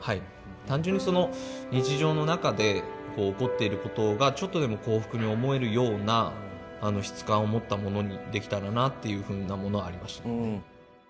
単純に日常の中で起こっていることがちょっとでも幸福に思えるような質感を持ったものにできたらなっていうふうなものはありましたけどね。